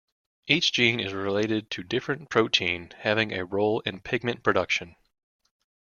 Each gene is related to different protein having a role in pigment production.